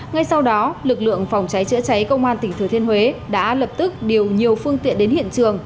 ngay sau đó lực lượng phòng cháy chữa cháy công an tỉnh thừa thiên huế đã lập tức điều nhiều phương tiện đến hiện trường